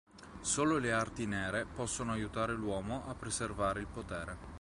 Solo le arti nere possono aiutare l'uomo a preservare il potere.